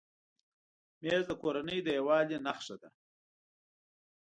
مېز د کورنۍ د یووالي نښه ده.